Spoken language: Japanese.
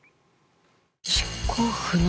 執行不能？